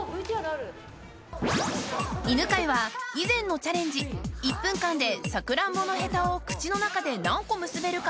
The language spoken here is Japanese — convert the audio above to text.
犬飼は以前のチャレンジ１分間でサクランボのヘタを口の中で何個結べるか？